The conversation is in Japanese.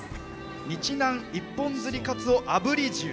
日南市一本釣りカツオあぶり重。